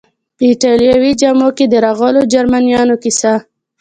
په ایټالوي جامو کې د راغلو جرمنیانو کیسه.